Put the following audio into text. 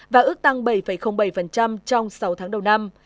và ước tăng bảy bảy trong sáu tháng đầu năm